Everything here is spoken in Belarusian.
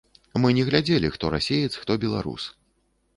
Мы не глядзелі, хто расеец, хто беларус.